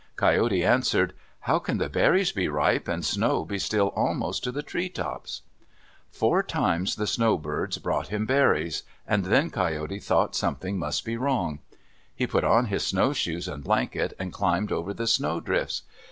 Coyote answered, "How can the berries be ripe and snow be still almost to the tree tops?" Four times the snowbirds brought him berries, and then Coyote thought something must be wrong. He put on his snowshoes and blanket, and climbed over the snowdrifts.